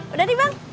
udah nih bang